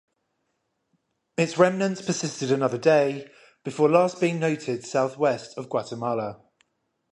Its remnants persisted another day before last being noted southwest of Guatemala.